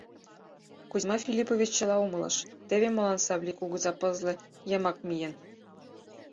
Кузьма Филиппович чыла умылыш: теве молан Савлий кугыза пызле йымак миен.